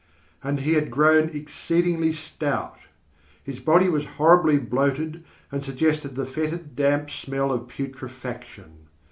And he had grown exceedingly stout. His body was horribly bloated and suggested the fetid, damp smell of putrefaction.